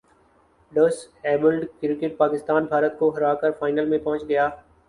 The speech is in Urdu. ڈس ایبلڈ کرکٹ پاکستان بھارت کو ہراکر فائنل میں پہنچ گیا